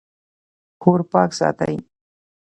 کور پاک ساتئ